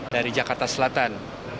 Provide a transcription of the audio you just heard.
dari jakarta selatan